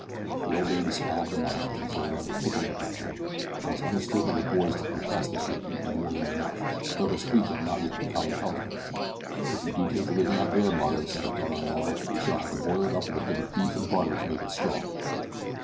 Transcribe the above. The old lady smiled benignly, as though rather tickled with that joke, and was understood by the boys to protest that she had eaten more than enough, though her squeak had not yet become intelligible to them. "If you do take to living on air, mother," said her daughter in law, "we shall have to boil it up with a bit of beef and butter to make it strong."